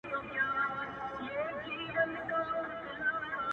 دا ميـنــان به خامـخـا اوبـو ته اور اچـوي _